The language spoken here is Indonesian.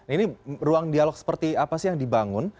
ini ruang dialog seperti apa sih yang dibangun